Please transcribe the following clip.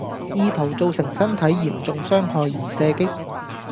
意圖造成身體嚴重傷害而射擊